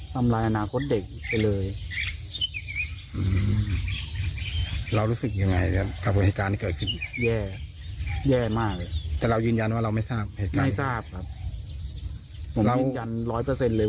ผมยืนยันร้อยเปอร์เซ็นต์เลย